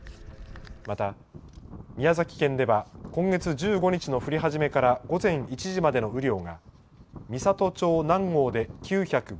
また宮崎県では今月１５日の降り始めから午前１時までの雨量が美郷町南郷で９５０ミリ。